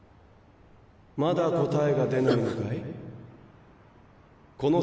まだ答えが出ないのかい？